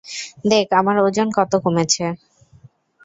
দেখ আমার ওজন কত কমেছে!